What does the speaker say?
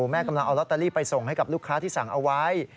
แม่กำลังเอาลอตเตอรี่ไปส่งให้กับลูกค้าที่สั่งเอาไว้